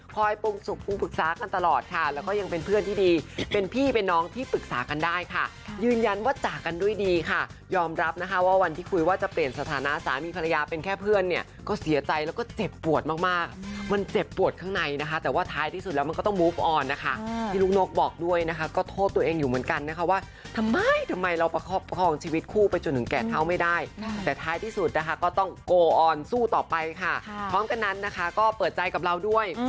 คอยปรุงปรุงปรึกษากันตลอดค่ะแล้วก็ยังเป็นเพื่อนที่ดีเป็นพี่เป็นน้องที่ปรึกษากันได้ค่ะยืนยันว่าจากันด้วยดีค่ะยอมรับนะคะว่าวันที่คุยว่าจะเปลี่ยนสถานะสามีภรรยาเป็นแค่เพื่อนเนี่ยก็เสียใจแล้วก็เจ็บปวดมากมันเจ็บปวดข้างในนะคะแต่ว่าท้ายที่สุดแล้วมันก็ต้องมูฟออนนะคะที่ลูกนกบอกด